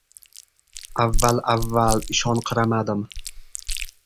Avval-avval ishonqiramadim.